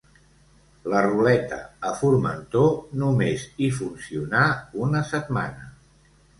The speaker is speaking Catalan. La ruleta a Formentor només hi funcionà una setmana.